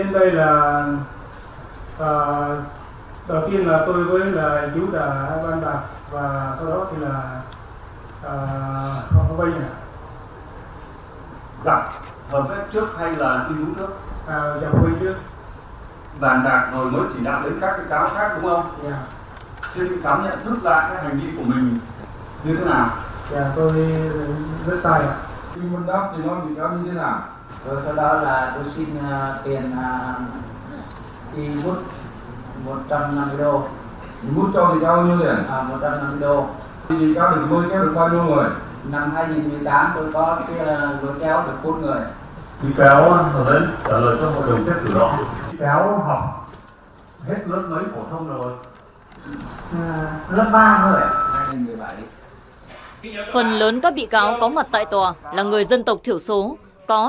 đặt hợp phép trước hay là đi dũng trước